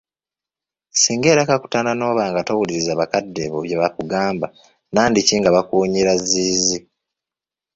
Singa era kakutanda n'oba nga towuliriza bakadde bo bye bakugamba nantiki nga bikuwunyira zziizi.